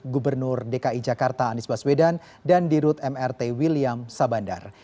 gubernur dki jakarta anies baswedan dan dirut mrt william sabandar